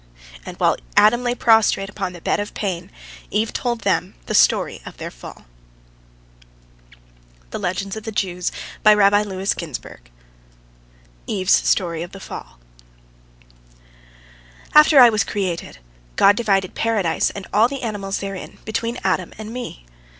And while Adam lay prostrate upon the bed of pain, Eve told them the story of their fall. EVE'S STORY OF THE FALL After I was created, God divided Paradise and all the animals therein between Adam and me.